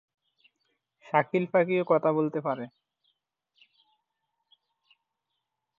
তবে, শব্দটি যেকোন সংবেদনশীল উপভোগ, মানসিক আকর্ষণ এবং নান্দনিক আনন্দ যেমন শিল্প, নৃত্য, সঙ্গীত, চিত্রকলা, ভাস্কর্য এবং প্রকৃতিকে বোঝায়।